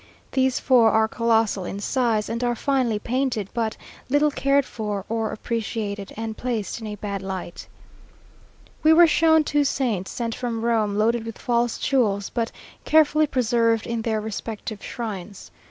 These four are colossal in size, and are finely painted, but little cared for or appreciated, and placed in a bad light. We were shown two saints, sent from Rome, loaded with false jewels, but carefully preserved in their respective shrines.